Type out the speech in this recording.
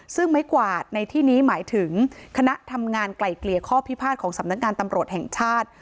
ซึ่งไม้กวาดในที่นี้หมายถึงคณะทำงานไกล่เกลี่ยข้อพิพาทของสำนักงานตำรวจแห่งชาติ